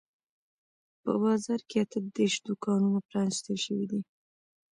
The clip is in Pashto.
په بازار کې اته دیرش دوکانونه پرانیستل شوي دي.